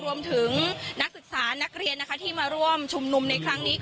รวมถึงนักศึกษานักเรียนที่มาร่วมชุมนุมในครั้งนี้